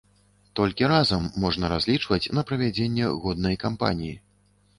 Толькі разам можна разлічваць на правядзенне годнай кампаніі.